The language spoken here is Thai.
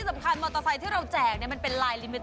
มันดูรับลมพมในเลย